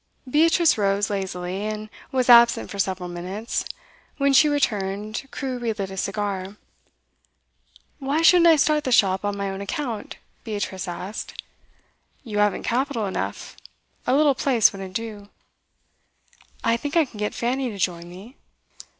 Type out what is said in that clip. Beatrice rose lazily, and was absent for several minutes. When she returned, Crewe re lit his cigar. 'Why shouldn't I start the shop on my own account?' Beatrice asked. 'You haven't capital enough. A little place wouldn't do.' 'I think I can get Fanny to join me.